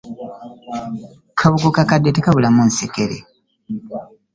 Kabugo kakadde tekabulamu nsekere .